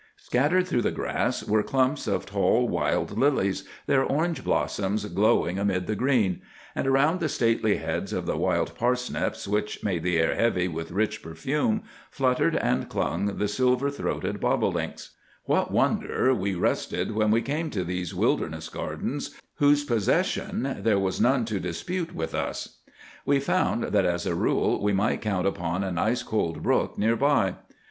Scattered through the grass were clumps of tall wild lilies, their orange blossoms glowing amid the green; and around the stately heads of the wild parsnips, which made the air heavy with rich perfume, fluttered and clung the silver throated bobolinks. What wonder we rested when we came to these wilderness gardens whose possession there was none to dispute with us! We found that as a rule we might count upon an ice cold brook near by.